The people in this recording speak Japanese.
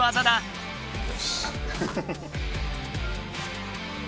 よし。